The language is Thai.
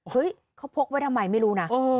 เฮ้ยเขาพกไว้ทำไมไม่รู้นะ